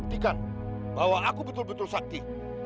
buktikan bahwa aku betul betul sakti